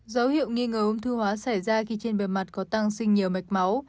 dấu hiệu nghi ngờ ung thư hóa xảy ra khi trên bề mặt có tăng sinh nhiều mạch máu